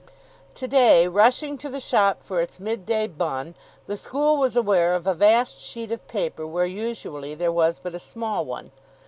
To day, rushing to the shop for its midday bun, the school was aware of a vast sheet of paper where usually there was but a small one.